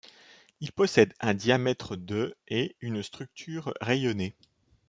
Il possède un diamètre de et une structure rayonnée.